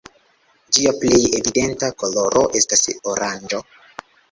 Ĝia plej evidenta koloro estas oranĝo.